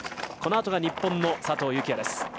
このあとが日本の佐藤幸椰。